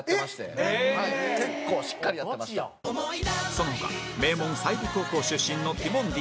その他名門済美高校出身のティモンディ